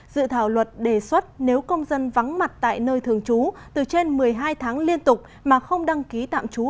dự thảo luật đề xuất nếu công dân vắng mặt tại nơi thường trú từ trên một mươi hai tháng liên tục mà không đăng ký tạm trú